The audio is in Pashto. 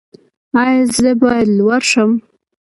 ایا زه باید لور شم؟